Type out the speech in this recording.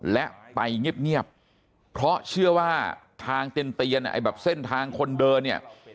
และไปเงียบเพราะเชื่อว่าทางเตียนไอ้แบบเส้นทางคนเดินเนี่ย